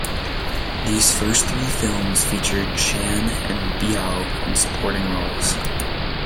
These first three films featured Chan and Biao in supporting roles.